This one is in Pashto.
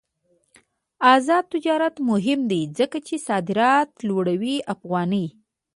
آزاد تجارت مهم دی ځکه چې صادرات لوړوي افغاني.